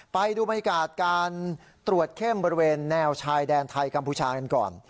ไปดูบรรยากาศการตรวจเข้มบริเวณแนวชายแดนไทยกัมพูชากันก่อน